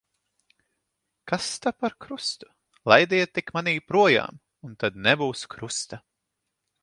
Kas ta par krustu. Laidiet tik mani projām, un tad nebūs krusta.